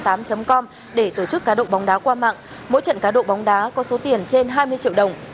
các đối tượng đã tổ chức cá độ bóng đá qua mạng mỗi trận cá độ bóng đá có số tiền trên hai mươi triệu đồng